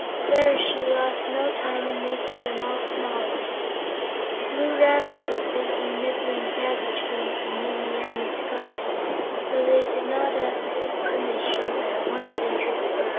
There she lost no time in making them all small again. The Blue Rabbit was busy nibbling cabbage leaves in Nimmie Amee's garden, so they did not ask his permission but at once entered the burrow.